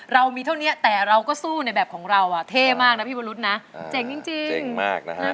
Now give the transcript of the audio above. เรามีเท่านี้แต่เราก็สู้ในแบบของเราเท่มากพี่บนรุษนะเจ๋งจริง